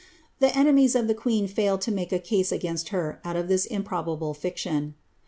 The enemies of the queen failed to make a case against her out of this improbable fiction.'